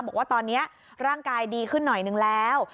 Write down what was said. บอกว่าตอนนี้ร่างกายดีขึ้นหน่อยนึงแล้ว